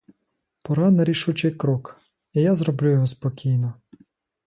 Пора на рішучий крок, і я зроблю його спокійно.